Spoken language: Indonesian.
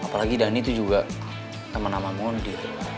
apalagi dhani itu juga temen ama mondi